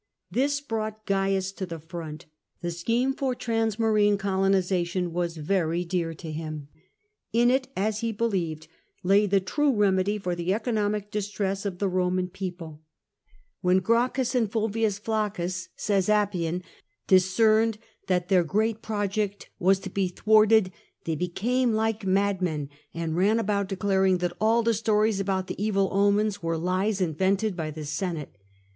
This brought Cains to the front. The scheme for transmarine colonisation was very dear to him. In it, as he believed, lay the true remedy for the economic distress of the Eoman people, ''When Gracchus and Fulviua Flaccus/' saysAppian, " discerned that their great project was to be thwarted, they became like madmen, and ran about declaring that all the stories about the evil omens were lies invented by the Senate."